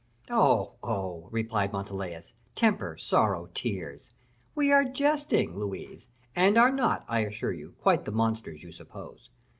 "Oh! oh!" replied Montalais, "temper, sorrow, tears; we are jesting, Louise, and are not, I assure you, quite the monsters you suppose.